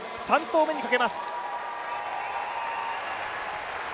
３投目にかけます。